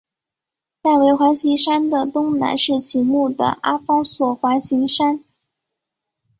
戴维环形山的东南是醒目的阿方索环形山。